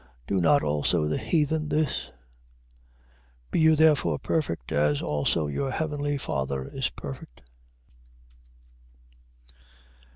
do not also the heathens this? 5:48. Be you therefore perfect, as also your heavenly Father is perfect.